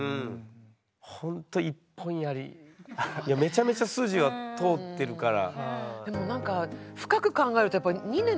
ほんといやめちゃめちゃ筋は通ってるから。